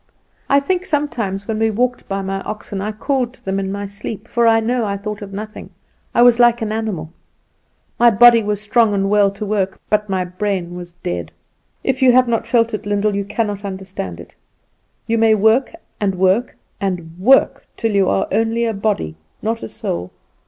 I think sometimes when I walked by my oxen I called to them in my sleep, for I know I thought of nothing; I was like an animal. My body was strong and well to work, but my brain was dead. If you have not felt it, Lyndall, you cannot understand it. You may work, and work, and work, till you are only a body, not a soul.